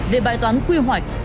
về bài toán quy hoạch